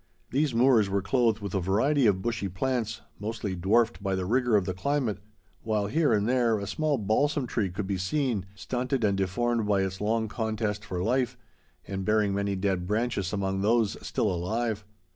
These moors were clothed with a variety of bushy plants, mostly dwarfed by the rigor of the climate, while here and there a small balsam tree could be seen, stunted and deformed by its long contest for life, and bearing many dead branches among those still alive.